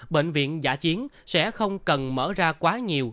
bệnh viện giả chiến sẽ không cần mở ra quá nhiều